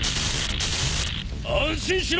安心しろ！